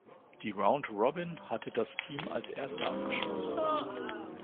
Die Round Robin hatte das Team als Erster abgeschlossen.